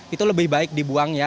itu lebih baik dibuang ya